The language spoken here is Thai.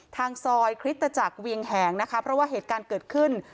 ทางซอยคริสตจักรเวียงแหงนะคะเพราะว่าเหตุการณ์เกิดขึ้น